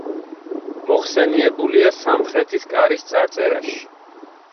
მოხსენიებულია სამხრეთის კარის წარწერაში.